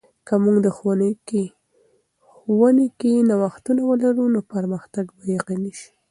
که موږ د ښوونې کې نوښتونه ولرو، نو پرمختګ به یقیني سي.